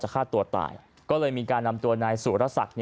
ฆ่าตัวตายก็เลยมีการนำตัวนายสุรศักดิ์